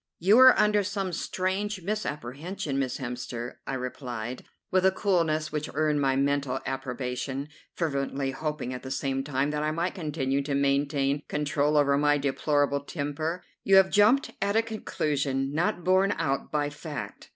"You are under some strange misapprehension, Miss Hemster," I replied, with a coolness which earned my mental approbation, fervently hoping at the same time that I might continue to maintain control over my deplorable temper; "you have jumped at a conclusion not borne out by fact.